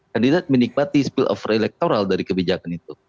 kandidat menikmati spill over electoral dari kebijakan itu